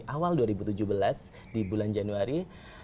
awal dua ribu tujuh belas di bulan januari